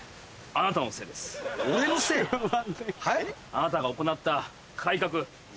あなたが行った。